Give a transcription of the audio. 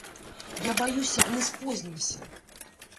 Я баюся, мы спознімся.